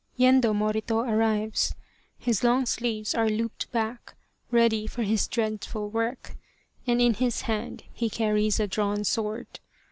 Yendo Morito arrives. His long sleeves are looped back, ready for his dreadful work, and in his hand he carries a drawn sword.